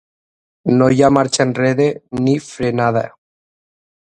No hi ha marxa enrere ni frenada.